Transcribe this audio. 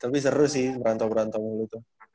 tapi seru sih merantau merantau mulu tuh